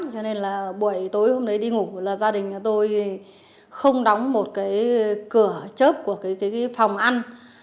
cho nên là buổi tối hôm đấy đi ngủ là gia đình tôi không đóng một cửa chớp của phòng ăn